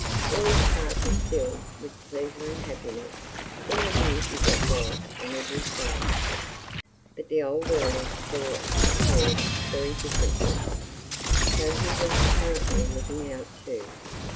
All his heart was filled with pleasure and happiness in the beauty that was on every side. But the old Earl saw and heard very different things, though he was apparently looking out too.